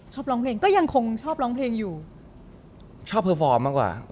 ชอบร้องเพลงก็ยังคงชอบร้องเพลงอยู่ชอบเพอร์ฟอร์มมากกว่า